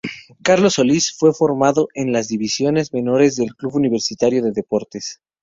Carlos Solís fue formado en las divisiones menores del Club Universitario de Deportes.